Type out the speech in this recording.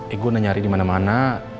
eh gue udah nyari dimana mana